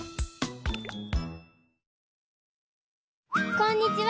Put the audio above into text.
こんにちは！